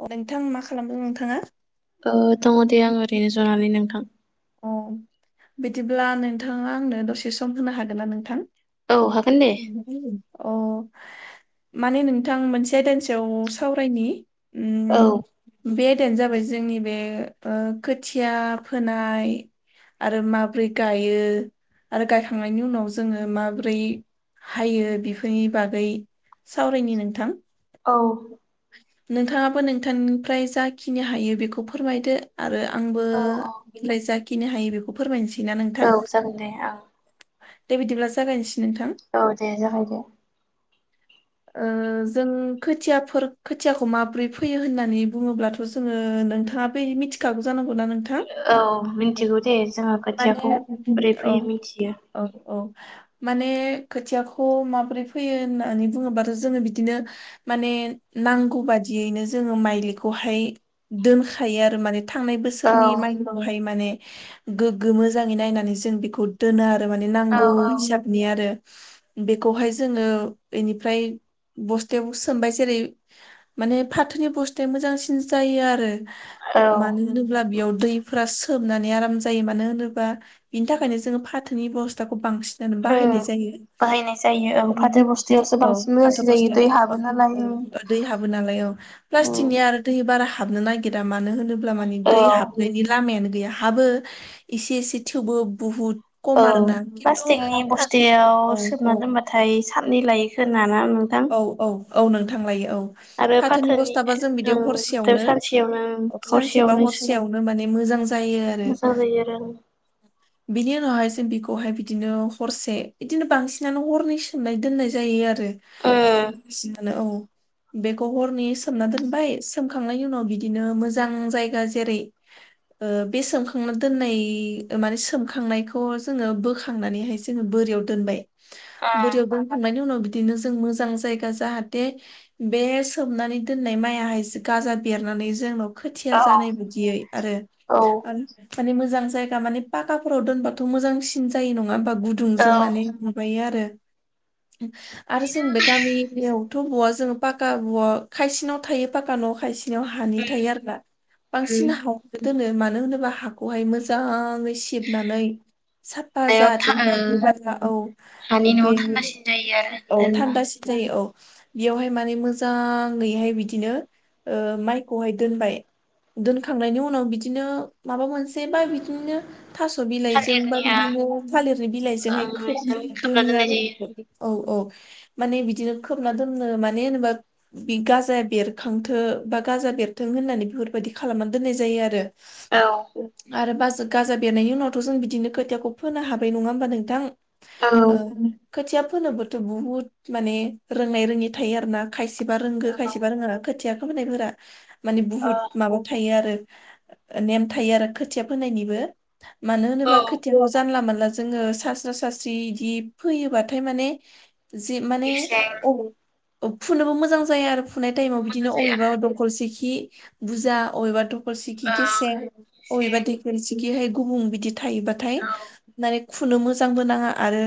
अ नोंथां मा खालामदों नोंथाङा। ओ दङ दे आं ओरैनो जनानै नोंथां। अ बिदिब्ला नोंथाङा आंनो दसे सम होनो हागोन ना नोंथां। औ हागोन दे अ। माने नोंथां मोनसे आयदानि सायाव सावरायनि औ उम बे आयदायानो जाबाय जोंनि बे ओ खोथिया फोना नाय आरो माबोरै गायो। आरो गायखांनायनि उनाव जोङो माब्रै हायो बेफोरनि बागै सावरायनि नोंथां। औ। नोंथाङाबो नोंथांनिफ्राय जाखिनि हायो बेखौ फोरमायदो आरो। आंबो औ [unintelligible] जाखिनि हायो बेखौ फोरमायसै औ जागोन दे आं दे बिदिब्ला जागायनोसै, नोंथां औ दे जाबाय दे। ओ जों खोथियाफोर खोथियाखौ माबोरै फैयो होननानै बुङोब्लाथ' जोङो नोंथाङा फैयो मिथिखागौ जानांगौ ना नोंथां? औ मिन्थिगौ दे जोङो खोथियाखौ माने बोरै औ फैयो मिथियो औ औ माने खोथियाखौ माबोरै फैयो होननानै बुङोबाथ' जोङो बिदिनो माने नांगौ बाददियैनो जोङो माइलिखौहाय दोनखायो आरो माने, थांनाय औ बोसोरनि माइनावहाय माने गोग्गो मोजाङै नायनानै जों बेखौ दोनो आरो। माने औ नांगौ औ हिसाबनि आरो बेखौहाय जोंङो एनिफ्राय बस्थायाव सोमबाय जेरै माने फाथोनि बस्थाया मोजांसिन जायो आरो औ मानो उम होनोब्ला बेयाव दैफोरा सोबनानै आराम जायो मानो होनोबा बिनि थाखायनो जोंङो फाथोनि बेब'स्थाखौ बांसिन बाहायनाय जायो बाहायनाय जायो ओं फाथो [unintelligible] बस्थायावसो औ बांसिन फाथो मोजांसिन जायो दै हाबो नालाय उम बस्थायाव [unintelligible] दै हाबो नालाय औ उम प्लास्टिकनि आरो दै बा बारा हाबनो नागिरा मानो होनोब्ला माने औ दै हाबनायनि लामायानो गैया। हाबो एसे एसे थेवबो बहुद, औ प्लास्टिकनि बस्थायाव औ सोमना औ दोनबाथाय खाननै लायो खोना ना नोंथां? औ औ औ नोंथां लायो औ फाथोनि बस्थाबा जों बिदि ओं बुस्थु हरसेयावनो सानसेयावनो सानसेबा हरसेयावनो हरसेयावनो माने मोजां। मोजां जायो आरो मोजां जायो बिनि उनावहाय बिखौहाय बिदिनो हरसे बिदिनो बांसिनानो हरनै सोमनाय दोननाय जायो आरो। आरो बांसिनानो औ। बेखौ हरनि सोमना दोनबाय सोमखांनायनि उनाव बिदिनो मोजां जायगा जेरै बे सोमखांना दोननाय माने सोमखांनायखौ जोंङो बोखांनानैहाय जोङो बो रियाव दोनबाय आं बोरियाव दोनखांनायनि उनाव बिदिनो जों मोजां जायगा जाहाथे बे सोमनानै दोननाय माइयाहाय गाजा बेरनानै जोंनाव खोथिया जानाय बायदियै आरो उम औ माने मोजां जायगा माने पाखाफोराव दोनबाथ' मोजांसिन जायो नंङा होमबा? औ गुदुंजों माने माबायो आरो। आरो जों बिदिनो बे गामियावथ' बहा जोङो पाका उवाल खायसेनाव थायो पाका न'आव खायसे बिनाव हानि उम थायो आरोना उम बांसिन हानो दोनो मानो होनोबा हाखौहाय मोजाङै सिबनानै साफा नायाव था जाहाथे ओ हानि न'आव थान्दासिन जायो आरो [unintelligible] औ [unintelligible] औ दोनबा थान्दासिन जायो औ। बेयावहाय माने मोजाङैहाय बिदिनो ओ माइखौहाय दोनबाय दोनखांनायनि उनाव बिदिनो माबा मोनसे बा बिदिनो, थास' बिलाइजों बा थालिरनिया बिदिनो थालिरनि बिलाइजोंहाय ओंजों खोबनानै खोबना दोनो दोननाय आरो जायो औ औ माने बिदिनो खोबना दोननो माने होनोबा बे गाजाया बेरखांथो बा गाजा बेरथों होननानै बेफोरबायदि खालामनानै दनाय जायो आरो औ ।आरो गाजा बेरनायनि उनावथ' जों बिदिनो खोथियाखौ फोनो हाबाय नंङा होमबा नोंथां? औ खोथिया फोनोबोथ' बुहुत माने रोंनाय रोङै थायो आरो ना खाय खायसेबा रोंगो खायसेबा रोङा खोथिया फोनायफोरा माने औ बुहुत माबायाव थायो आरो, नेम थायो आरो खोथिया फोनायनिबो मानो औ होनोबा खोथियाखौ जानला मोनला जोङो सास्रा सास्रि बिदि फैयोबाथाय माने जि माने गेसें फुनोबो मोजां जाया आरो फुनाय टाइमाव मोजां बिदिनो जायो अबेबा आरो दंखलसेखि बुरजा, अबेबा दख र सिखि औ गेसें अबेबा गेसें दखर सिखिहाय गुबुं बिदि थायोबाथाय औ फुनो मोजांबो नांङा आरो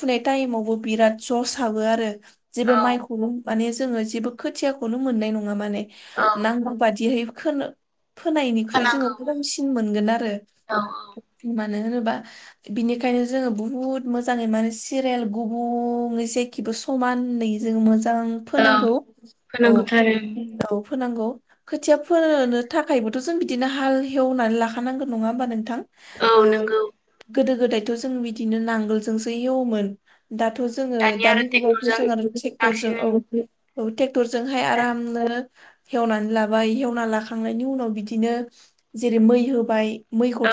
फुनाय टाइमावबो बिराद जसाबो आरो जेबो औ माइखौबो माने जोङो जेबो खोथियाखौनो मोननाय नङा माने। औ नांगौ बादियै खो फोनायनिख्रुइ जोंङो खानांगौ खमसिन मोनगोन आरो औ मानो होनोबा बिनिखायनो जोङो बुहुत मोजाङै माने सिरेल गुबुं जेखिबो समानै जों मोजां औ फोनांगौ औ फोनांगौथ' आरो औ फोनांगौ खोथिया फोनो थाखायबोथ' जों बिदिनो हाल एवनानै लाखानांगौ नंङा होमबा नोंथां? औ ओ नंगौ गोदो गोदायथ' जों बिदिनो नांगोलजोंसो एवोमोन दा जोङो दानिया आरो दानि जुगावथ' ट्रेक्टरजों जों आरो ट्रेक्टरजों बांसिन औ टेक [inaudible] क्टरजोंहाय आरामनो। हेवनानै लाबाय हेवना लाखांनायनि उनाव बिदिनो जेरै मै होबाय।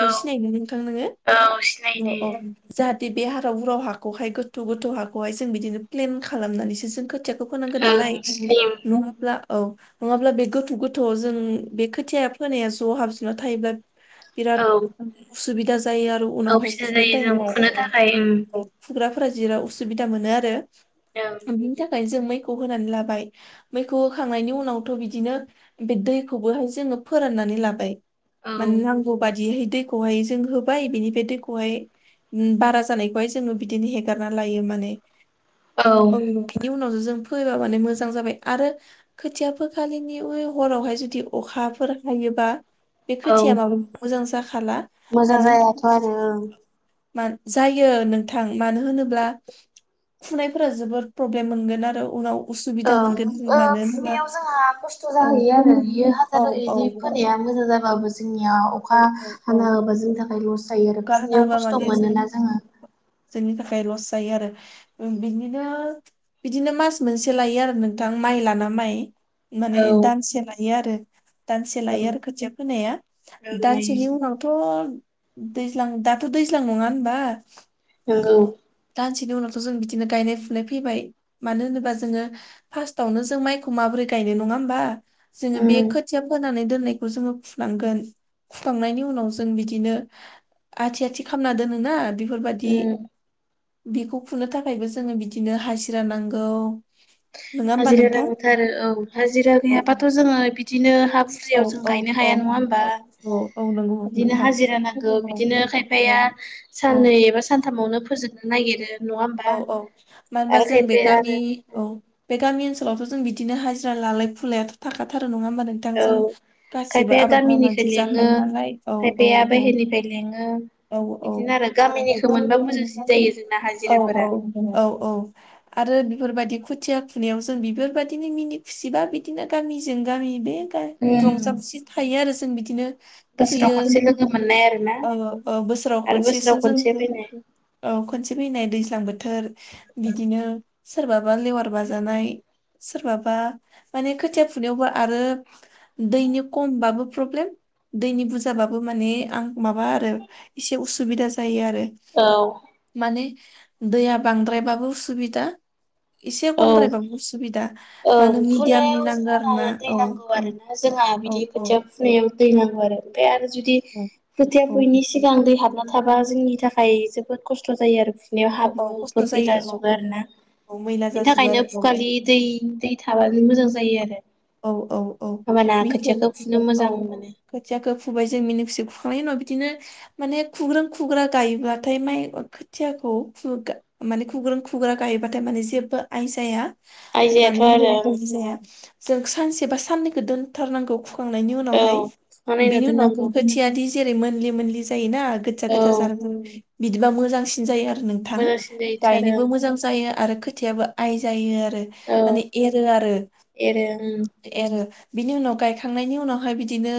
औ सिनायनो नोंथां नोङो औ सिनायो दे अ अ जा बिदि हाराव हुराव हाखौहाय गोथौ गोथौ हाखौहाय जों बिदिनो प्लेन खालामनानैसो जों खोथिया खौ फोनांगौ नालाय ओं स्लिम नङाब्ला औ नङाब्ला बे गोथौ गोथौ जों बे खोथिया फोनाया ज' हाबजोबना थायोबा औ बिराद उसुबिदा जायो आरो औ उनावहाय फिसा खुरनाय [unintelligible] जायो जों फुनो टाइमाव। थाखाय जिराव असुबिदा मोनो आरो ओं बिनि थाखाय जों मैखौ होनानै लाबाय मैखौ होखांनायनि उनावथ' बिदिनो बे दैखौबोहाय जो फोरानानै लाबाय मानो ओं नांगौ बादिहाय दैखौहाय जों होबाय बिनिफ्राय दैखौहाय बारा जानायखौहाय जोङो बिदिनो हेगारना लायो। बे माने औ बेनि उनावनो जों फैबा माने मोजां जाबाय आरो खोथिया फोखालिनि हरावहाय जुदि अखाफोर हायो बा बे औ खोथिया मालाबाबो मोजां जाखाला मोजां मानो जायाथ' आरो [inaudible] जायो नोंथां मानो होनोब्ला। खुनायफोरा जोबोद प्रब्लेम मोनगोन आरो उनाव। उसुबिदा मोनगोन औ मानो होनबा फुनायाव जोंहा खस्थ' औ जाहैयो आरो बेयो हाजार औ इदि फोनाया मोजां जाबाबो जोंनियाव औ अखा औ औ हानायाबो जोंनि थाखाय लस। जायो आरो फुनायाव गारनाबा खस्थ' माने जों मोनोना जोङो। जोंनि थाखाय लस जायो आरो बिदिनो। बिदिनो मास मोनसे लायो आरो नोंथां माइ लाना माइ माने औ दानसे लायो आरो। दानसे औ लायो आरो खोथिया फोनाया लायो दानसेनि उनावथ' दैज्लां दाथ' दैज्लां नङा होनबा नोंगौ। बिनि उनावथ' जों बिदिनो गायनाय फुनाय फैबाय मानो होनोबा जोङो फार्स्टावनो जों माइखौ माबोरै गाय यो नङा ओनबा जोङो बे उम खोथिया फोनानै दोन नायखौ जोङो फुनांगोन फुखांनायनि उनाव जों बिदिनो। आथि आथि खालामना दोनो ना बेफोरबायदि। उम बेखौ फुनो थाखायबो जोङो बिदिनो हाजिरा नांगौ नङा होमबा हाजिरा नोंथां नांथारो औ हाजिरा औ गैयाबाथ' जोङो बिदिनो हा औ बुरजायाव जों औ गायनो औ हाया नङा होनबा औ औ नंगौ बिदिनो नोंथां हाजिरा नांगौ बिदिनो औ खायफाया औ साननै एबा सानथामावनो फोजोबनो नागिरो। नङा होमबा औ औ मानो होनबा आरो जों बे खायफाया गामि आरो औ बे गामि ओन सोलावथ' जों बिदिनो हाजिरा लालाय फुायाथ' थाखा थारो। नङा होमबा नोंथां औ जों गासिबो खायफाया आबाद गामिनिखौ मावनानैसो लेङो जाखायो नालाय औ औ खायफाया औ। बाहेरनिफ्राय औ बिदिनो गामिनिखौ मोनबा मोजांसिन जायो हा [inaudible] औ औ औ औ आरो बेफोरबायदि खुथिया खुनायाव जों बेफोरबायदिनो मिनि खुसिबा बिदिनो गामिजों गामि बे। उम रंजा खुसि थायो आरो जों बिदिनो। बोसोराव खुयो खनसे लोगो मोननाय आरोना औ औ बोसोराव आरो बोसोराव खनसेसे खनसे फैनाय जोङो [inaudible] औ। खनसे फैनाय दैज्लां बोथोर बिदिनो सोरबाबा लेवार बाजानाय सोरबाबा माने खोथिया फुनायावबो आरो दैनि खमबाबो प्रब्लेम दैनि बुरजाबाबो माने आं माबा आरो एसे उसुबिदा जायो आ रो औ माने दैया बांद्रायबाबो उसुबिदा एसे औ खमद्रायबाबो उसुबिदा मानो ओं मिडियामनि फुनायाव नांगौ आरो ना जोंहा दै औ नांगौ औ। [unintelligible] बिदि औ खोथिया फुनायावबो दै नांगौ आरो। ओमफ्राय आरो जुदि औ खोथिया औ फुयैनि सिगां दै हाबना थाबा जोंनि थाखाय जोबोद खस्थ' जायो आरो फुनायाव औ औ खस्थ' हाब्रुफोर जायो औ फैलाजोबो आरोना। औ मैला बेनि जाजोबो थाखायनो आरो औ फुगालि दै दै थाबानो मोजां जायो आरो। औ औ औ होमबाना बिखौ खोथियाखौ फुनो औ मोजां मोनो खोथियाखौ फुबाय जों मिनि खुसि फुखांनायनि उनाव बिदिनो माने खुग्रोन खुग्रा गायोबाथाय माइ खोथियाखौ खु माने खुग्रोन खुग्रा गायोबाथाय माने जेबो आय जाया। आयजायाथ' आरो होननानै [unintelligible] जाया जों सानसे बा साननैखौ दोनथारनांगौ फुखांनायनि औ उनावहाय। फुखां नायनाव बिनि उनाव दोननांगौ खोथियादि जेरै मोनलि मोनलि जायोना गोजा औ गोजा जारौ बिदिबा मोजांसिन जायो आरो नोंथां, मोजांसिन जाहैथारो गायनोबो ओं मोजां जायो आरो खोथियाबो आय जायो आरो, माने एरो आरो। उम। एरो बिनि उनाव गायखांनायनि उनावहाय बिदिनो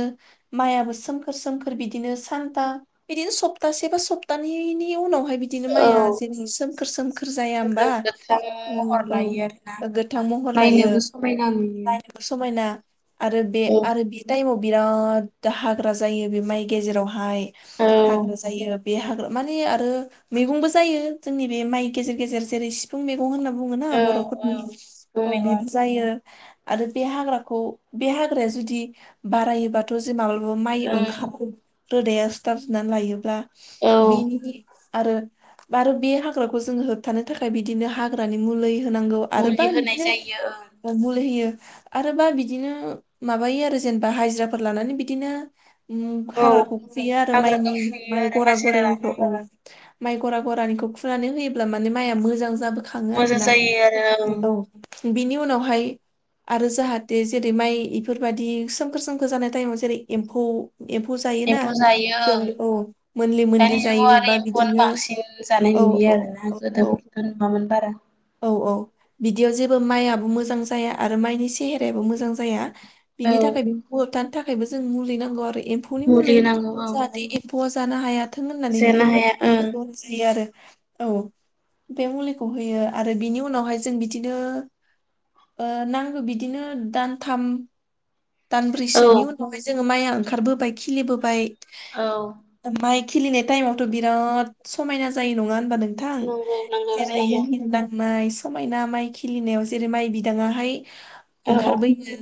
माइआबो सोमखोर सोमखोर बिदिनो सानथाम बिदिनो सप्तासे बा सप्तानैनि उनाव ओमफाय बिदिनो औ माइया जेरै सोमखोर सोमखोर जाया फुंखा होमबा? गोथां औ महर ओ लायो आरोना गोथां महर लायो नायनोबो समायना नुयो। नायनोबो समायना आरो बे औ आरो बे टाइमाव बिराद हाग्रा जायो बे माइ गेजेरावहाय औ हाग्रा जायो। बे हाग्रा माने आरो मैगंबो जायो जोंनि बे माइ गेजेर गेजेर जेरै सिफुं मैगं होनना बुङोना औ औ बर'फोरनि सिबुं औ मैगं बिबो जायो आरो बे हाग्राखौ बे हाग्राया जुदि बारायोबाथ' जों माब्लाबा माइ ओं ओंखार रोदाया सिथाबजोबनानै लायोब्ला औ बिनि आरो आरो बे हाग्राखौ जों होबथानो थाखाय बिदिनो हाग्रानि मुलै होनांगौ मुलि आरोबा होनाय बिदिनो जायो ओ, ओं मुलि होयो आरोबा बिदिनो माबायो आरो जेनेबा हाजिराफोर लानानै बिदिनो ओम औ हाग्राखौ खुयो आरो हाग्राखौ माइनि फुयो आरो गरा हाजिरा बोराइनिखौ लाना औ। माइ गरा गरानिखौ फुनानै होयोब्ला माने माइआ मोजां जाबो खाङो मोजां आरोना। जायो आरो ओं औ बिनि उनावहाय आरो जाहाथे जेरै माइ इफोरबायदि सोमखोर सोमखोर जानाय टाइमाव जेरै एम्फौ एम्फौ जायोना एम्फौ जायो जेरै ओं औ मोनलि मोनलि दानि जुगाव जायो आरो बा एम्फौआनो बिदिनो बांसिन जानाय औ नुयो औ आरो ना औ औ गोदोफोरथ' नुवामोन बारा। औ औ बिदियाव जेबो माइआबो मोजां जाया आरो माइनि सेहेरायाबो मोजां जाया। औ बिनि थाखाय बेखौ होबथानो थाखायबो जों मुलि नांगौ आरो एम्फौनि मुलि होनांगौ औ जाहाते एम्फौ आ जानो हायाथों होननानै जानो हाया बेफोरबायदि ओं [unintelligible] जायो आरो। औ बे मुलिखौ होयो आरो बिनि उनावहाय जों बिदिनो ओ नांगौ बिदिनो दानथाम औ दानब्रैसोनि उनावहाय जोङो माइआ ओंखारबोबाय खिलिबोबाय औ। माइ खिलिनाय टाइमावथ' बिराद समायना जायो नङा होनबा नों थां नंगौ नंगौ जेरै जायो मिहिन गाननाय समायना माइ खिलिनायाव जेरै माइ बिदाङा हाय औ ओंखारबोयो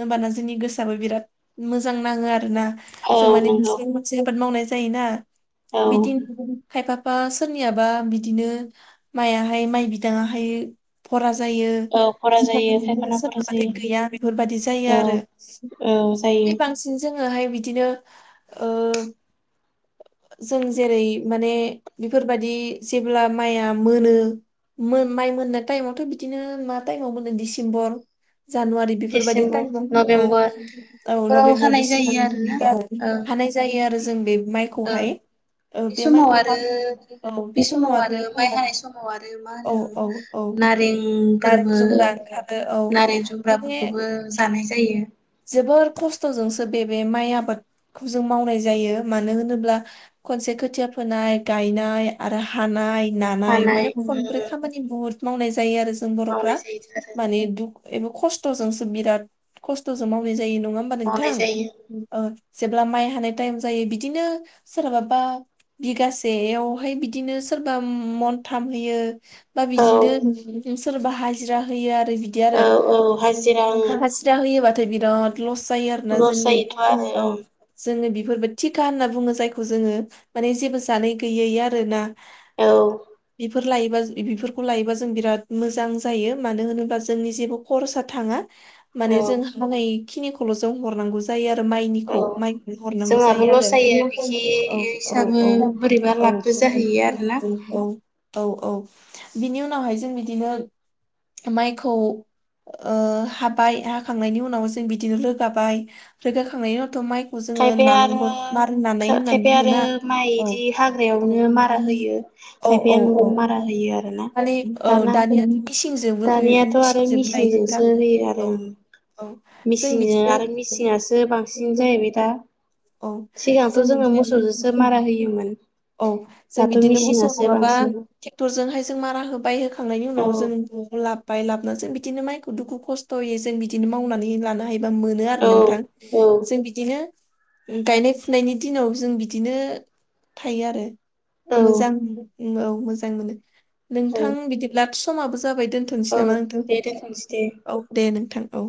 होमबाना जोंनि गोसोआबो बिराद मोजां नाङो आरो ना? औ जों माने नंगौ बिसिं मोनसे आबाद मावनाय जायोना औ बिदिनो खायफा सोरनियाबा बिदिनो मायाहाय माइ बिदाङाहाय भरा जायो, औ खरा जायो खायफाना खरा जायो [unintelligible] गैया बेफोरबायदि जायो औ आरो। औ जायो बांसिन जोङोहाय बिदिनो ओ जों जेरै माने बेफोरबादि जेब्ला माइया मोनो मो माइ मोननाय टाइमावथ' बिदिनो मा टाइमाव मोनो डिसेम्बर जानुवारि बेफोरबायदि डिसेम्बर टाइम दं औ नभेम्बर औ बेफोराव नभेम्बर हानाय डिसेम्बर जायो आरोना औ [unintelligible] हानाय जायो आरो जों बे औ माइखौहाय ओ बे समाव माइखौ फा आरो [unintelligible] औ बे समाव आरो माइ हानाय समाव आरो मा औ होनो औ औ नारें नारेंफोरबो जुमब्रा [unintelligible] औ [unintelligible] बेखोबो जानाय जायो जोबोर खस्थ'जोंसो बे बे माइ आबादखौ जों मावनाय जायो मानो होनोब्ला खनसे खोथिया फोनाय गायनाय आरो हानाय नानाय हानाय माने खनब्रै उम खामानि बुहुत मावनाय जायो आरो जों बर'फ्रा मावनाय जायो आरो माने दुख एबो खस्थ'जोंसो बिराद खस्थ'जों मावनाय जायो नङा होमबा मावनाय नोंथां जायो [unintelligible] जेब्ला माय हानाय तायेम जायो बिदिनो सोरहाबा बिगासेयावहाय बिदिनो सोरबा मनथाम होयो बा औ बिदिनो सोरबा हाजिरा होयो आरो। बिदि औ औ हाजिरा आरो ओं हाजिरा होयोबाथाय बिराद लस जायो आरोना लस जोंनि जायोथ' आरो औ जोङो बि फोरबो टिका होनना बुङो जायखौ जोङो माने जेबो जानाय गैयै आरोना। औ फोर लायोबा बेफोरखौ लायोबा जों बिराद मोजां जायो मानो होनोबा जोंनि जेबो खरसा थाङा। माने औ जों औ इखिनिखौल' जों हरनांगौ जायो आर औ मायनिखौ माय [unintelligible] खौ हरनांगौ जोंहाबो जायो लस आरो बिखि औ औ इसाबो औ बोरैबा औ। लाबबो जाहैयो आरोना औ औ औ बिनि उनावहाय जों बिदिनो मायखौ ओ हाबाय हाखांनायनि उन उनाव जों बिदिनो रोगाबाय रोगाखांनायनि उनावथ' माय खौ जोङो खायफाया आरो नानांगोन मारै नानाय होननानै खायफाया आरो बुङोना माइ औ इदि औ हाग्रायावनो मारा होयो [unintelligible] औ औ खायफाया न'आव औ मारा होयो आरोना माने औ दाना दानिया [unintelligible] सिंजोंबो लुयो दानियाथ' आरो मिसिंजोंबो दायो नोंथां मिसिनजोंसो होयो आरो ओं औ। औ जों मिसिनजों बिदिनो आरो मिसिनासो बांसिन जाहैबाय दा [unintelligible] औ सिगांथ' जों जोङो मोसौजोंसो मारा होयोमोन [unintelligible] औ जों दाथ' बिदिनो मोसौ मिसिनासो नङाबा बांसिन ट्रेक्थरजोंहाय जों मारा होबाय होख खांनायनि औ उनाव जों लाब बाय लाबोना जों बिदिनो मायखौ दुखु खस्थ'यै जों बिदिनो मावनानै लानो हायोबा मोनो आरो औ नों थां औ जों बिदिनो गायनाय फुनायनि दिनाव जों बिदिनो थायो आरो। औ मोजां औ मोजां मोनो औ नोंथां बिदिब्ला समाबो जाबाय दोनथ' थोनोसै औ नामा नोंथां दे दोनथ'नोसै दे औ दे नोंथां औ।